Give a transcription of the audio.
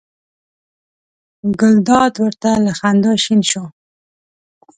ګلداد ور ته له خندا شین شو.